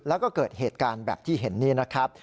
แล้วก็เกิดเหตุการณ์แบบที่เห็นนี่นะครับ